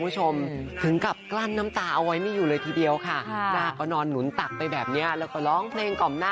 จะบ่งงานบวชของลูกบุญธรรมของพี่เอกนั่นเองค่ะ